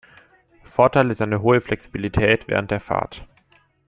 Vorteil ist eine hohe Flexibilität während der Fahrt.